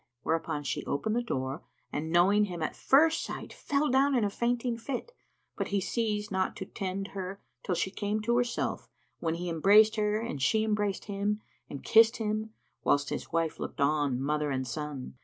Whereupon she opened the door and knowing him at first sight fell down in a fainting fit; but he ceased not to tend her till she came to herself, when he embraced her and she embraced him and kissed him, whilst his wife looked on mother and son.